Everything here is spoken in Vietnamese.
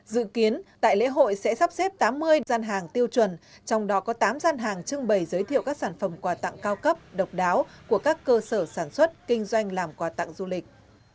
dự kiến tại lễ hội sẽ sắp xếp tám mươi gian hàng tiêu chuẩn trong đó có tám gian hàng trưng bày giới thiệu các sản phẩm quà tặng cao cấp độc đáo của các cơ sở sản xuất kinh doanh làm quà tặng du lịch